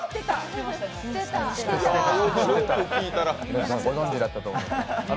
皆さんご存じだったと思います。